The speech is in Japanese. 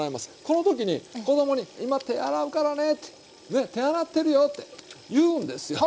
この時に子供に今手洗うからねって手洗ってるよって言うんですよ。